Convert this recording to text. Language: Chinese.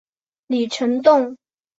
李成栋。